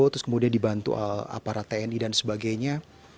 terus kemudian dibantu aparat tni dan sebagainya